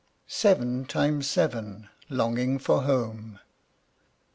SEVEN TIMES SEVEN. LONGING FOR HOME.